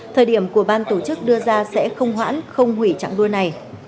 thời điểm của ban tổ chức đưa ra sẽ không hoãn không hủy chặng đua này